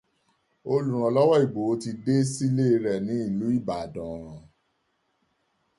Olùrànlọ́wọ́ Ìgbòho ti dé sílé rẹ̀ ní ìlú Ìbàdàn.